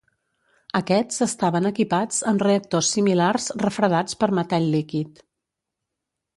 Aquests estaven equipats amb reactors similars refredats per metall líquid.